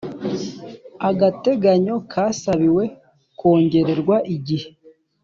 agateganyo kasabiwe kongererwa igihe